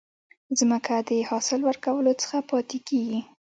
ځمکه د حاصل ورکولو څخه پاتي کیږي.